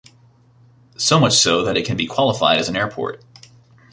So much so that it can be qualified as an airport.